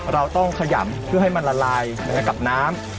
เราต้องขยำเพื่อให้มันละลายกับน้ำ